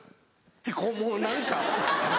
ってこうもう何か。